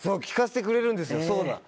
聴かせてくれるんですよ。